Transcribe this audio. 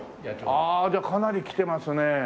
ああじゃあかなり来てますね。